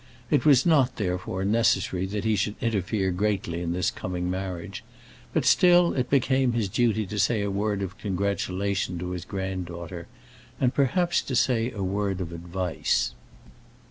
It was not, therefore, necessary that he should interfere greatly in this coming marriage; but still it became his duty to say a word of congratulation to his granddaughter, and perhaps to say a word of advice.